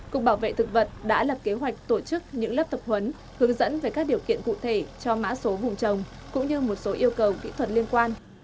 cục bảo vệ thực vật đã lập kế hoạch tổ chức những lớp tập huấn hướng dẫn về các điều kiện cụ thể cho mã số vùng trồng cũng như một số yêu cầu kỹ thuật liên quan